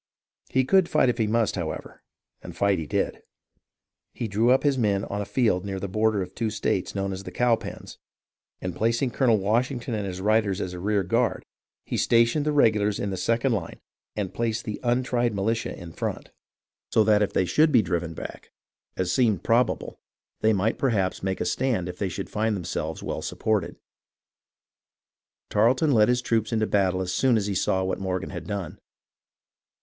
He could fight if he must, however, and fight he did. He drew up his men on a field near the border of the two states known as the Cowpens, and placing Colonel Washington and his riders as a rear guard, he stationed the regulars in the second line and placed the untried militia in front, 336 HISTORY OF THE AMERICAN REVOLUTION SO that if they should be driven back, as seemed probable, they might perhaps make a stand if they should find them selves well supported. Tarleton led his troops into battle as soon as he saw what Morgan had done.